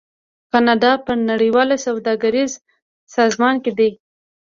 کاناډا په نړیوال سوداګریز سازمان کې دی.